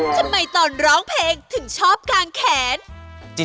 ทำไมตอนร้องเพลงถึงชอบกางแขน